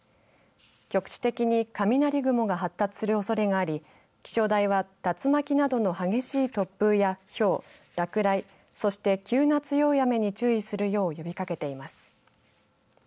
局地的に雷雲が発達するおそれがあり気象台は竜巻などの激しい突風やひょう落雷そして急な強い雨に注意するよう呼びかけています。